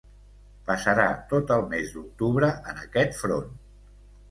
Passarà tot el mes d'octubre en aquest front.